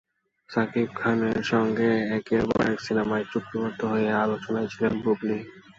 শাকিব খানের সঙ্গে একের পর এক সিনেমায় চুক্তিবদ্ধ হয়ে আলোচনায় ছিলেন বুবলী।